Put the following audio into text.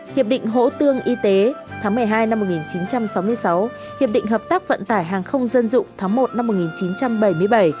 hiệp định hỗ tương y tế tháng một mươi hai năm một nghìn chín trăm sáu mươi sáu hiệp định hợp tác vận tải hàng không dân dụng tháng một năm một nghìn chín trăm bảy mươi bảy